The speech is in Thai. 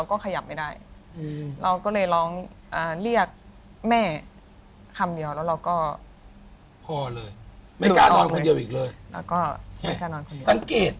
ก่อนขึ้นดีตรับสังเกต